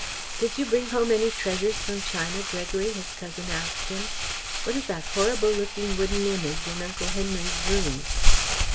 "Did you bring home any treasures from China, Gregory?" his cousin asked him. "What is that horrible looking wooden Image in Uncle Henry's room?"